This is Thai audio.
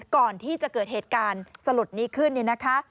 ก่อนที่จะเกิดเหตุการณ์สลดนี้ขึ้นเนี่ยนะคะ